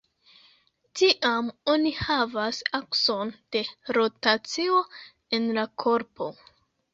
Tiam oni havas akson de rotacio en la korpo.